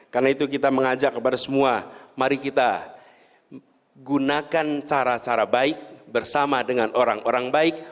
karena itu kita mengajak kepada semua mari kita gunakan cara cara baik bersama dengan orang orang baik